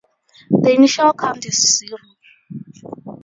The initial count is zero.